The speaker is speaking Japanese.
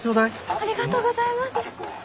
ありがとうございます。